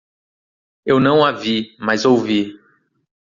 Eu não a vi, mas ouvi.